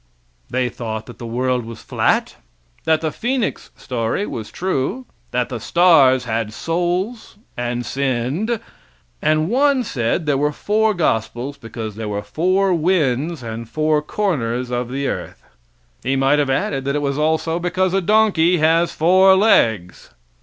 They thought that the world was flat; that the phoenix story was true; that the stars had souls and sinned; and one said there were four gospels because there were four winds and four corners of the earth. He might have added that it was also because a donkey has four legs.